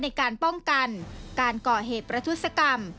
ในการป้องกันการก่อเหตุประทุศกรรม